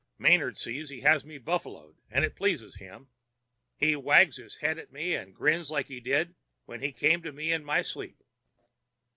Manard sees he has me buffaloed, and it pleases him. He wags his head at me and grins like he did when he came to me in my sleep.